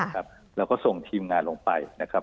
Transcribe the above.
ครับแล้วก็ส่งทีมงานลงไปนะครับ